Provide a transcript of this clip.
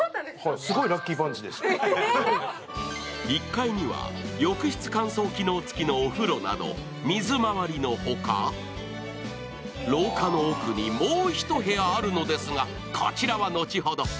１階には浴室乾燥機能付きのお風呂など、水回りのほか、廊下の奥にもう１部屋あるのですが、こちらは後ほど。